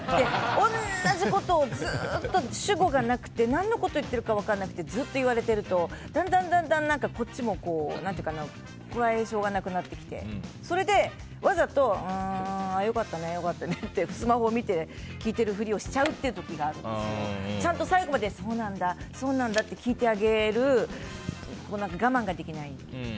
同じことをずっと主語がなくて何のこと言ってるか分からなくてずっと言われているとだんだん、こっちもこらえ性がなくなってきてそれでわざと良かったね、良かったねってスマホ見て聞いてる振りしちゃうときがあってちゃんと最後までそうなんだ、そうなんだって聞いてあげる我慢ができない。